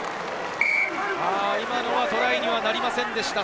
今のはトライにはなりませんでした。